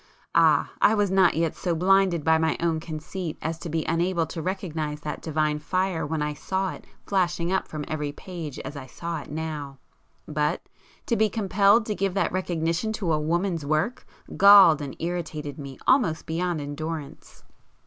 —ah, I was not yet so blinded by my own conceit as to be unable to recognize that divine fire when I saw it flashing up from every page as I saw it now; but, to be compelled to give that recognition to a woman's work, galled and irritated me almost beyond endurance.